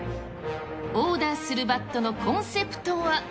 オーダーするバットのコンセプトは。